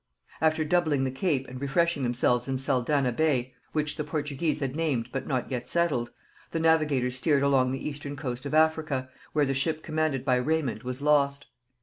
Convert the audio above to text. After doubling the Cape and refreshing themselves in Saldanha Bay, which the Portuguese had named but not yet settled, the navigators steered along the eastern coast of Africa, where the ship commanded by Raymond was lost.